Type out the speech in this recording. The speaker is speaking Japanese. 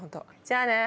じゃあね！